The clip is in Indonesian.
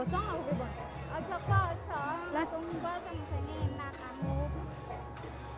tumba itu enak